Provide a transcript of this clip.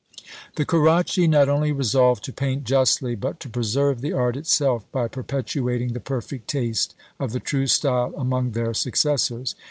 The Caracci not only resolved to paint justly, but to preserve the art itself, by perpetuating the perfect taste of the true style among their successors.